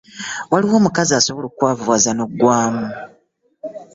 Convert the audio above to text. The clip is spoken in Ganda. Waliyo omukazi asobola okukwavuwaza n'oggwaamu.